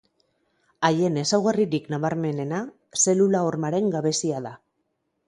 Haien ezaugarririk nabarmenena zelula hormaren gabezia da.